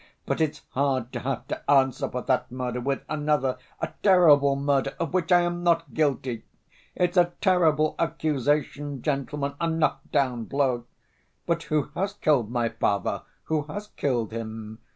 But it's hard to have to answer for that murder with another, a terrible murder of which I am not guilty.... It's a terrible accusation, gentlemen, a knock‐down blow. But who has killed my father, who has killed him?